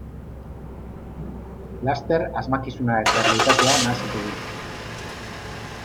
Laster asmakizuna eta errealitatea nahasiko du.